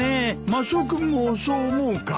マスオ君もそう思うか？